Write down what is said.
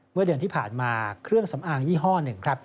เมื่อเดือนที่ผ่านมาเครื่องสำอางยี่ห้อหนึ่งครับ